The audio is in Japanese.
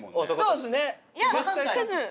そうですね。